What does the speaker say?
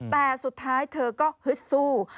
แต่สุดท้ายเธอก็ฮึดสู้